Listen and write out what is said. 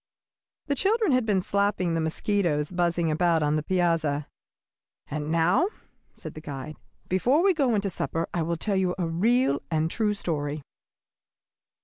The children had been slapping the mosquitoes buzzing about on the piazza. "And now," said the guide, "before we go into supper, I will tell you a real and a true story.